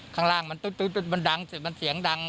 ข้างล่างมันตุ๊ดมันดังเสร็จมันเสียงดัง